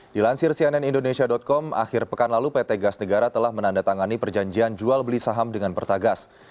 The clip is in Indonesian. dilansir cnn indonesia com akhir pekan lalu pt gas negara telah menandatangani perjanjian jual beli saham dengan pertagas